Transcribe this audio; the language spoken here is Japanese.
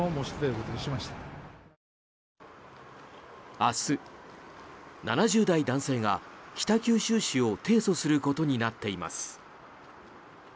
明日、７０代男性が北九州市を提訴することになっています。